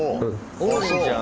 王林ちゃん